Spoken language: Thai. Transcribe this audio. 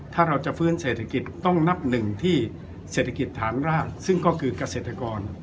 ถ้าเราจะฟื้นเศรษฐกิจต้องนับหนึ่งที่เศรษฐกิจฐานรากซึ่งก็คือเกษตรกร